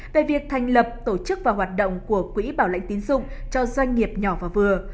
về việc thành lập tổ chức và hoạt động của quỹ bảo lãnh tín dụng cho doanh nghiệp nhỏ và vừa